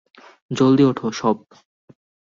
জলদি ওঠ, সব।